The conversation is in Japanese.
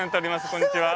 こんにちは。